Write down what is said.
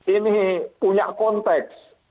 ini punya konteks